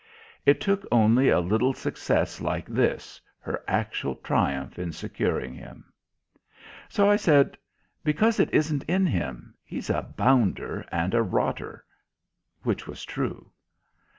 It only took a little success like this, her actual triumph in securing him. So I said, "Because it isn't in him. He's a bounder and a rotter." Which was true.